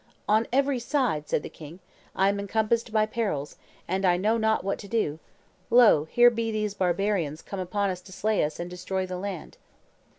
"On every side," said the king, "I am encompassed by perils, and I know not what to do; lo! here be these barbarians come upon us to slay us and destroy the land."